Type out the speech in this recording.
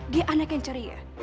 dia anak yang ceria